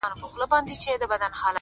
مُلاجان ویل ه!! د پنجاب چټي په نام دي!!